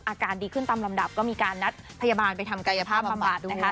อาการดีขึ้นตามลำดับก็มีการนัดพยาบาลไปทำกายภาพบำบัดนะคะ